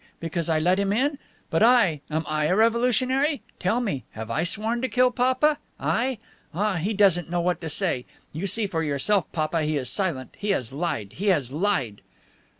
Because I let him in? But I, am I a revolutionary? Tell me. Have I sworn to kill papa? I? I? Ah, he doesn't know what to say. You see for yourself, papa, he is silent. He has lied. He has lied."